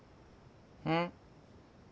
うん？